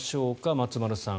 松丸さん